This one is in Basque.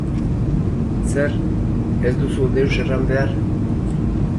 Zer, ez duzu deus erran behar?